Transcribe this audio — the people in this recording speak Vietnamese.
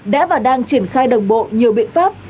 đã và đang triển khai đồng bộ nhiều biện pháp